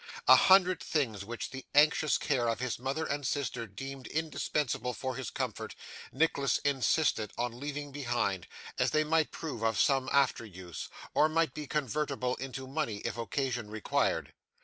A hundred things which the anxious care of his mother and sister deemed indispensable for his comfort, Nicholas insisted on leaving behind, as they might prove of some after use, or might be convertible into money if occasion required.